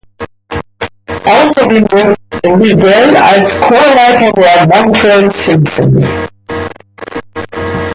Außerdem wirkte Riddell als Chorleiter der "Montreal Symphony".